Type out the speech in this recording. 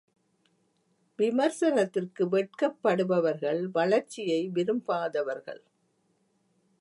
விமர்சனத்திற்கு வெட்கப்படுபவர்கள் வளர்ச்சியை விரும்பாதவர்கள்.